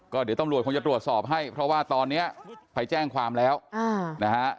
ก็เดี๋ยวตำรวจคงจะตรวจสอบให้เพราะว่าตอนนี้ไปแจ้งความแล้วนะฮะ